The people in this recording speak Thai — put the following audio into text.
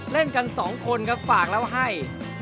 เล่นกันสองคนครับฝากแล้วให้